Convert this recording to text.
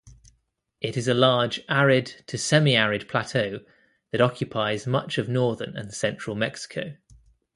It is a large arid-to-semiarid plateau that occupies much of northern and central Mexico.